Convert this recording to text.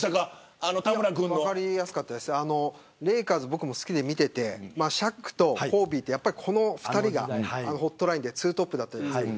僕も好きでシャックとコービーというこの２人がホットラインでツートップだったじゃないですか。